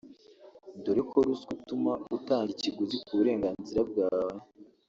dore ko ruswa ituma utanga ikiguzi ku burenganzira bwawe